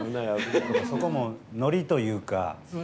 そこも、ノリというか。